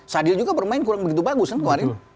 sadil juga bermain kurang begitu bagus kan kemarin